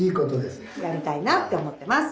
やりたいなって思ってます！